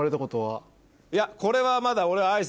いやこれはまだ。